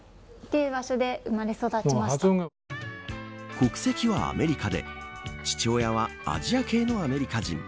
国籍はアメリカで父親はアジア系のアメリカ人。